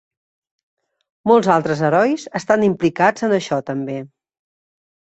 Molts altres herois estan implicats en això també.